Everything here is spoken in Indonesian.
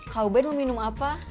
kau bed mau minum apa